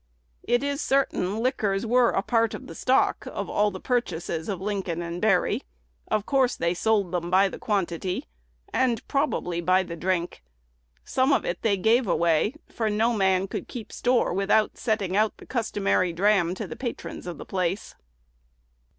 It is certain liquors were a part of the stock of all the purchases of Lincoln & Berry. Of course they sold them by the quantity, and probably by the drink. Some of it they gave away, for no man could keep store without setting out the customary dram to the patrons of the place.